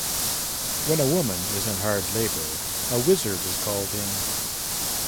When a woman is in hard labor, a wizard is called in.